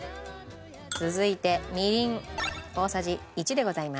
続いてみりん大さじ１でございます。